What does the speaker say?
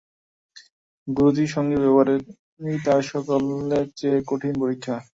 গুরুজির সঙ্গে ব্যবহারেই তার সকলের চেয়ে কঠিন পরীক্ষা।